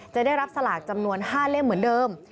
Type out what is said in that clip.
จะได้รับสลากจำนวน๕เล่มเหมือนเดิม